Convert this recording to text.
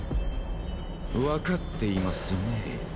わかっていますね？